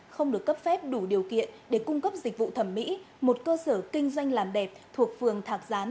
không được cấp phép đủ điều kiện để cung cấp dịch vụ thẩm mỹ một cơ sở kinh doanh làm đẹp thuộc phường thạc gián